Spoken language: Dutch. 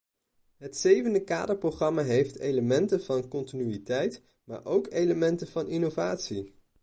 Het zevende kaderprogramma heeft elementen van continuïteit, maar ook elementen van innovatie.